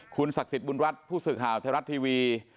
คุณศักดิ์สิทธิบุญรัฐผู้สื่อข่าวไทยรัฐทีวี